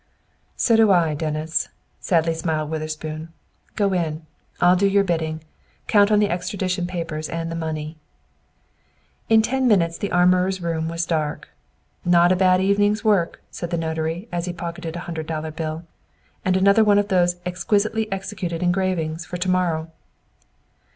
"So do I, Dennis," sadly smiled Witherspoon. "Go in; I'll do your bidding. Count on the extradition papers and the money." In ten minutes the armorer's room was dark. "Not a bad evening's work," said the notary, as he pocketed a hundred dollar bill, "and another one of those 'exquisitely executed engravings' for to morrow!"